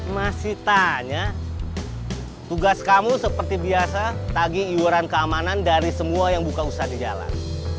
masih tanya tugas kamu seperti biasa tagi iuran keamanan dari semua yang buka usaha di jalan